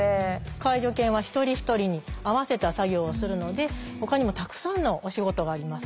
介助犬は一人一人に合わせた作業をするのでほかにもたくさんのお仕事があります。